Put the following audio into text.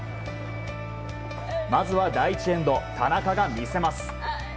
まずは第１エンド田中が魅せます。